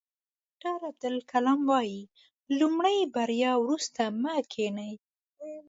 ډاکټر عبدالکلام وایي له لومړۍ بریا وروسته مه کینئ.